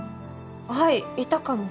はいいたかも。